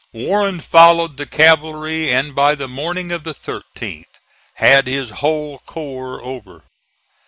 Warren followed the cavalry, and by the morning of the 13th had his whole corps over.